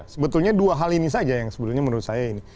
sebetulnya dua hal ini saja yang sebetulnya menurut saya ini